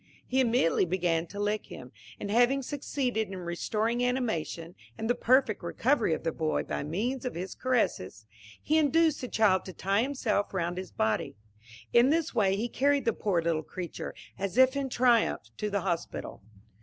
He immediately began to lick him, and having succeeded in restoring animation, and the perfect recovery of the boy, by means of his caresses, he induced the child to tie himself round his body. In this way he carried the poor little creature, as if in triumph, to the hospital.